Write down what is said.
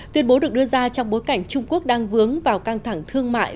tuyên bố được đưa ra trong bối cảnh trung quốc đang vướng vào căng thẳng thương mại